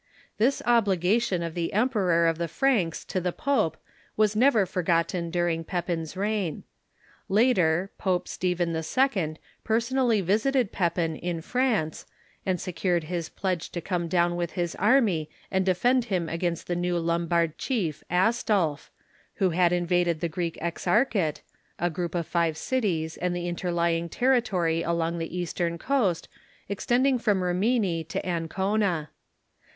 This obligation of the Emperor of the Franks to the pope was never forgotten during Pepin's reign. Later, Pope Stephen II. personally visited Pepin, in France, and se cured his pledge to come down with his army, and defend him THE KEIGN OF CHARLEMAGXE 109 against the new Lombard chief Astolph, who had invaded the Greek Exarchate — a group of five cities and the interly ing territory along the eastern coast, extending from Rimini to Ancona.